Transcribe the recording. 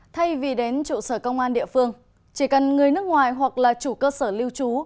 thay vì đến trụ sở công an địa phương chỉ cần người nước ngoài hoặc là chủ cơ sở lưu trú